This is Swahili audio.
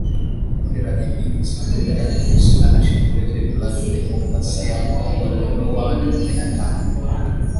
Kundi la Jamii ya kiislamu limedai kuhusika na shambulizi la Demokrasia ya Kongo lililouwa watu kumi na tano